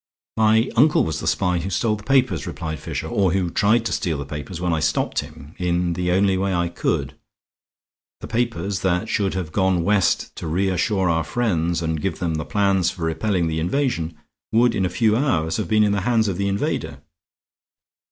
"My uncle was the spy who stole the papers," replied Fisher, "or who tried to steal the papers when I stopped him in the only way I could. The papers, that should have gone west to reassure our friends and give them the plans for repelling the invasion, would in a few hours have been in the hands of the invader.